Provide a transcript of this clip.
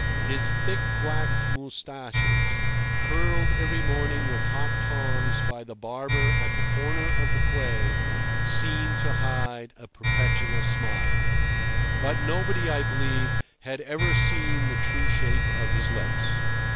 His thick black moustaches, curled every morning with hot tongs by the barber at the corner of the quay, seemed to hide a perpetual smile. But nobody, I believe, had ever seen the true shape of his lips.